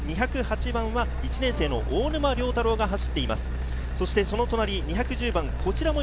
９番目、２０８番は１年生の大沼良太郎が走っています。